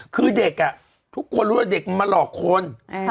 คือเด็กทุกคนรู้ว่าเด็กมันมาหลอกคน